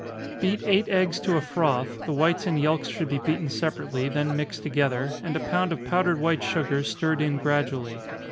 _ Beat eight eggs to a froth the whites and yelks should be beaten separately, then mixed together, and a pound of powdered white sugar stirred in gradually.